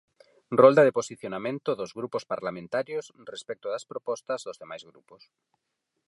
Rolda de posicionamento dos grupos parlamentarios respecto das propostas dos demais grupos.